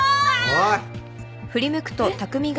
・おい！